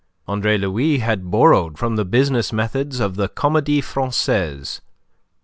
Andre Louis had borrowed from the business methods of the Comedie Francaise.